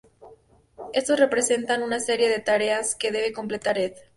Estos representan una serie de tareas que debe completar Ed.